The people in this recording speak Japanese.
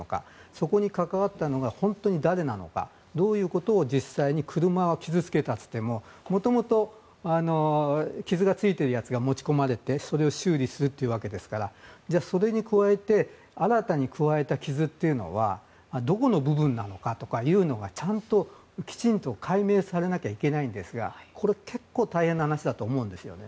そこに関わったのが本当に誰なのかどういうことを実際に車は傷つけたといっても元々、傷がついているやつが持ち込まれてそれを修理するというわけですからじゃあそれに加えて新たに加えた傷というのはどこの部分なのかというのがちゃんときちんと解明されなきゃいけないんですがこれ、結構大変な話だと思うんですよね。